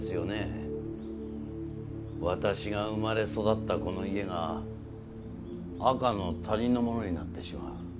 私が生まれ育ったこの家が赤の他人のものになってしまう。